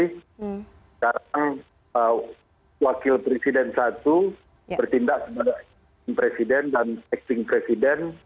sekarang wakil presiden satu bertindak kepada presiden dan sekting presiden